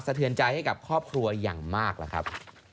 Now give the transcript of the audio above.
เทือนใจให้กับครอบครัวอย่างมากล่ะครับ